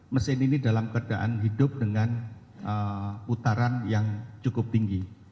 mesin ini dalam keadaan hidup dengan putaran yang cukup tinggi